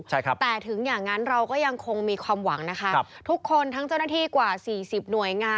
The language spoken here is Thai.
แต่ถึงอย่างนั้นเราก็ยังคงมีความหวัง